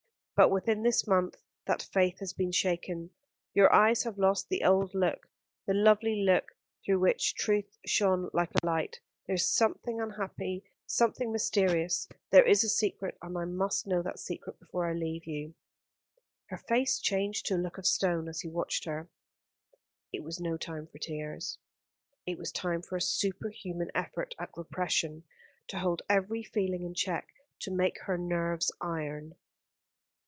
But within this month that faith has been shaken. Your eyes have lost the old look the lovely look through which truth shone like a light. There is something unhappy, something mysterious. There is a secret and I must know that secret before I leave you." Her face changed to a look of stone as he watched her. It was no time for tears. It was time for a superhuman effort at repression, to hold every feeling in check, to make her nerves iron.